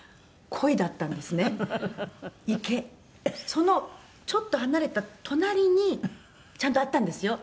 「そのちょっと離れた隣にちゃんとあったんですよ